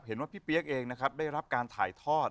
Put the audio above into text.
เห็นว่าพี่เปี๊ยกเองนะครับได้รับการถ่ายทอด